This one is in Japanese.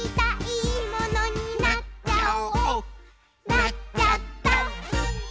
「なっちゃった！」